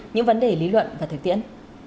những vấn đề lý luận và thực tiễn